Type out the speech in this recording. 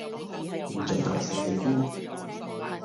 唔准提性器官